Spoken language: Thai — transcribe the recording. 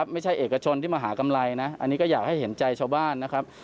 เอกชนที่มาหากำไรนะอันนี้ก็อยากให้เห็นใจชาวบ้านนะครับ